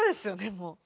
もう。